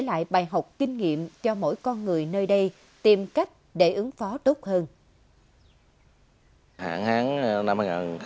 lại bài học kinh nghiệm cho mỗi con người nơi đây tìm cách để ứng phó tốt hơn ở hạn hán năm hai nghìn bốn hai nghìn bốn